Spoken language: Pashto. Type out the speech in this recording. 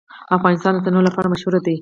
افغانستان د تنوع لپاره مشهور دی.